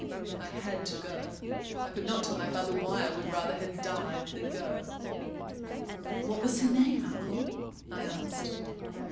I had to go. I could not tell my father why I would rather had died than go." "What was her name, uncle?" I asked.